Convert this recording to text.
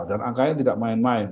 dan angkanya tidak main main